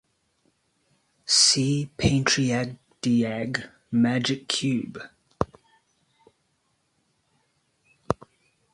See Pantriagdiag magic cube.